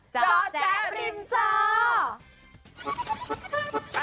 เจ้าแจ๊กริมเจ้า